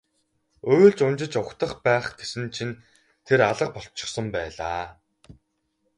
Уйлж унжиж угтах байх гэсэн чинь тэр алга болчихсон байлаа.